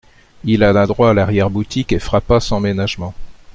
Il alla droit à l’arrière-boutique et frappa sans ménagement.